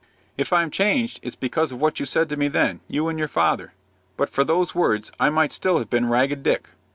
"If I'm changed, it's because of what you said to me then, you and your father. But for those words I might still have been Ragged Dick."